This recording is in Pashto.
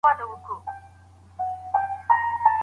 د نجونو لیلیه له مشورې پرته نه اعلانیږي.